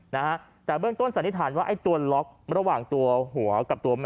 นะฮะแต่เบื้องต้นสันนิษฐานว่าไอ้ตัวล็อกระหว่างตัวหัวกับตัวแม่